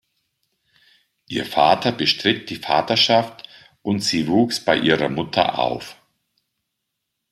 Ihr Vater bestritt die Vaterschaft und sie wuchs bei ihrer Mutter auf.